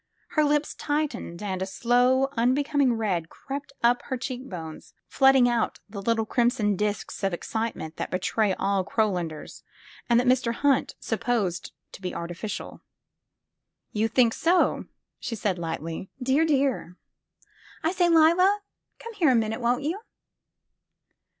Her lips tightened and a slow, unbecoming red crept up to her cheek bones, flooding out the little crimson disks of ex citement that betray all Crownlanders, and that Mr. Hunt supposed to be artificial. 204 THE FILM OF FATE Tou think so?" she said lightly, Dear, dear! I say, Leila, come here a minute, won't you?"